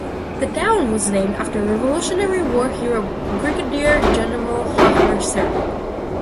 The town was named after Revolutionary War hero Brigadier General Hugh Mercer.